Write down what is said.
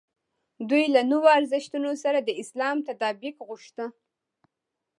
دوی له نویو ارزښتونو سره د اسلام تطابق غوښت.